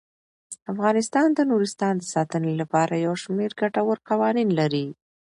افغانستان د نورستان د ساتنې لپاره یو شمیر ګټور قوانین لري.